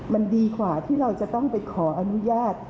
มันดีกว่าที่เราจะต้องไปขออนุญาต